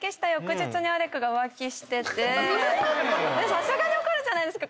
さすがに怒るじゃないですか。